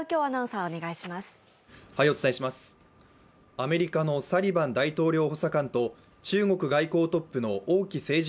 アメリカのサリバン大統領補佐官と中国の外交トップの王毅政治